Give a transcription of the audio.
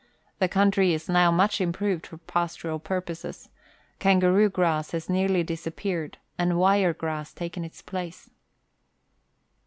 The country is now much improved for pastoral purposes. Kangaroo grass has nearly disappeared, and wire grass taken its place.